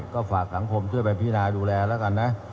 ก็ฝากสังคมเชื่อแบบพี่นายดูแลแล้วกันนะ